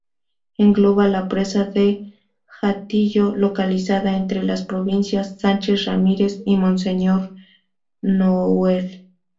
Engloba la Presa de Hatillo, localizada entre las provincias Sánchez Ramírez y Monseñor Nouel.